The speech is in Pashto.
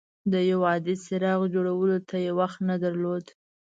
د یو عادي څراغ جوړولو ته یې وخت نه درلود.